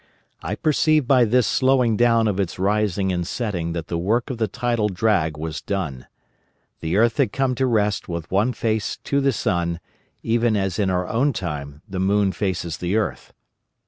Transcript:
I perceived by this slowing down of its rising and setting that the work of the tidal drag was done. The earth had come to rest with one face to the sun, even as in our own time the moon faces the earth.